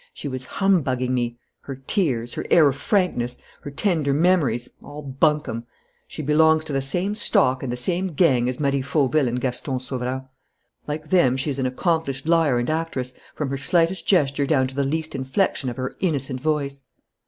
"She was humbugging me. Her tears, her air of frankness, her tender memories: all bunkum! She belongs to the same stock and the same gang as Marie Fauville and Gaston Sauverand. Like them, she is an accomplished liar and actress from her slightest gesture down to the least inflection of her innocent voice."